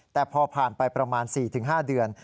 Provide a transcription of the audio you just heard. แต่พอผ่านไปประมาณ๔๕เดือน